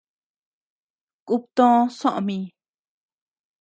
Kub too soʼö mi.